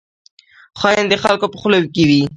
خاین د خلکو په خوله کې وي